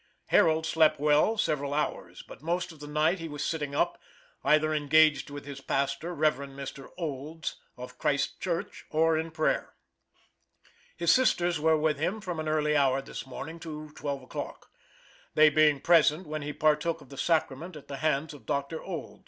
Harold slept well several hours, but most of the night he was sitting up, either engaged with his pastor, Rev. Mr. Olds, of Christ Church, or in prayer. His sisters were with him from an early hour this morning to twelve o'clock; they being present when he partook of the sacrament at the hands of Dr. Olds.